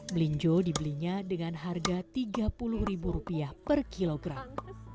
melinjo dibelinya dengan harga rp tiga puluh per kilogram